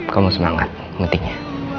kamu semangat pentingnya